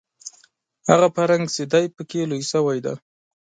هغه فرهنګ چې دی په کې لوی شوی دی